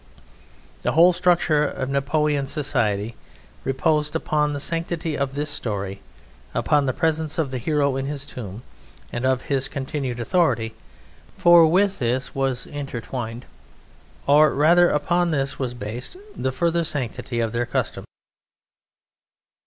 The whole structure of Nepioian society reposed upon the sanctity of this story, upon the presence of the Hero in his tomb, and of his continued authority, for with this was intertwined, or rather upon this was based, the further sanctity of their customs.